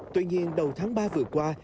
tuy nhiên đầu tháng ba vừa qua